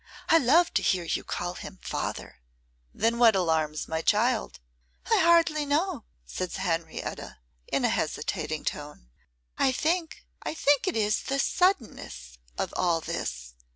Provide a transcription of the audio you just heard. I love to hear you call him father.' 'Then what alarms my child?' 'I hardly know,' said Henrietta in a hesitating tone. 'I think I think it is the suddenness of all this.